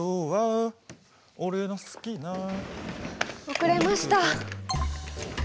遅れました。